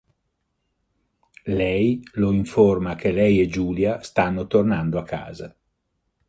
Lei lo informa che lei e Julia stanno tornando a casa.